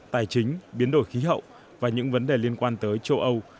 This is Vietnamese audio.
tài chính biến đổi khí hậu và những vấn đề liên quan tới châu âu